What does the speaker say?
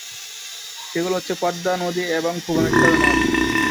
সেগুলো হচ্ছে পদ্মা নদী এবং ভুবনেশ্বর নদ।